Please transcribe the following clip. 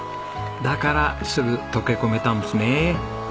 だからすぐ溶け込めたんですね。